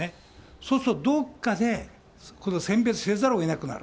そうするとどっかで選別せざるをえなくなる。